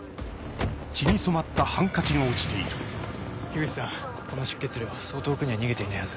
口さんこの出血量そう遠くには逃げていないはず。